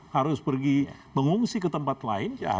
harus pergi mengungsi ke tempat lain